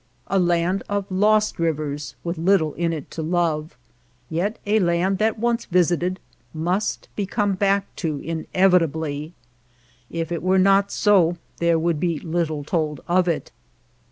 A land of lost rivers, with little in it to love ; yet a land that once visited must be come back to inevitably. If it were not so there would be little told of it.